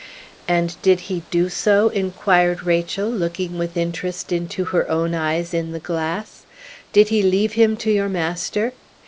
"And did he do so?" inquired Rachel, looking with interest into her own eyes in the glass. "Did he leave him to your master?"